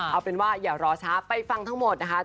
เอาเป็นว่าอย่ารอช้าไปฟังทั้งหมดนะคะ